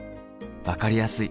分かりやすい。